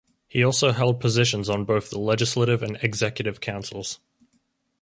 He also held positions on both the Legislative and Executive Councils.